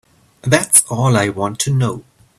That's all I want to know.